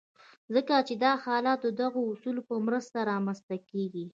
ځکه چې دا حالت د دغو اصولو په مرسته رامنځته کېږي.